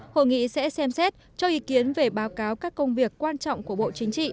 hội nghị sẽ xem xét cho ý kiến về báo cáo các công việc quan trọng của bộ chính trị